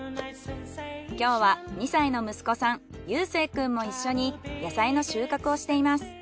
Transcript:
今日は２歳の息子さん結誠くんも一緒に野菜の収穫をしています。